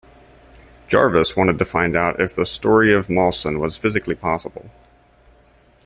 Jarvis wanted to find out if the story of Mawson was physically possible.